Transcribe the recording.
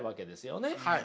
はい。